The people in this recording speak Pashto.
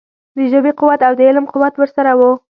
د ژبې قوت او د علم قوت ورسره وو.